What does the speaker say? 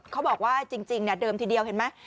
เขาบอกว่าจริงเดิมทีเดียวเห็นไหม